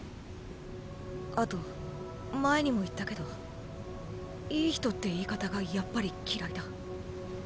あと前にも言ったけど良い人って言い方がやっぱり嫌いだ。